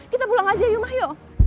kita pulang aja yuk ma yuk